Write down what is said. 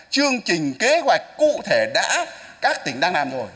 chương trình kế hoạch cụ thể đã các tỉnh đang làm rồi